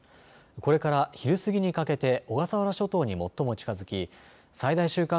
これから昼過ぎにかけて小笠原諸島に最も近づき最大瞬間